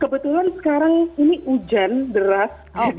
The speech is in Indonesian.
kebetulan sekarang ini hujan deras